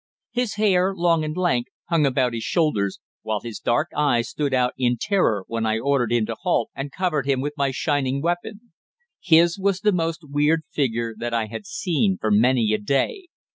His hair, long and lank, hung about his shoulders, while his dark eyes stood out in terror when I ordered him to halt, and covered him with my shining weapon. His was the most weird figure that I had seen for many a day.